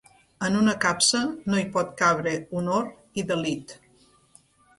En una capsa no hi pot cabre honor i delit.